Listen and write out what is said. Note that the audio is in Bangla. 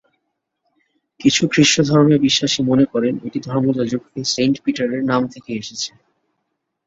কিছু খ্রিস্ট ধর্মে বিশ্বাসী মনে করেন এটি ধর্মযাজক সেইন্ট পিটারের নাম থেকে এসেছে।